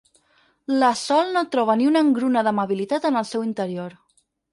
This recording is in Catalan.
La Sol no troba ni una engruna d'amabilitat en el seu interior.